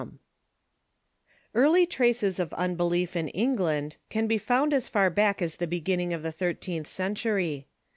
] Early traces of unbelief in England can be found as far back as the beginning of the thirteenth century.